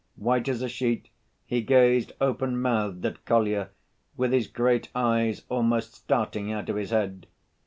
White as a sheet, he gazed open‐mouthed at Kolya, with his great eyes almost starting out of his head.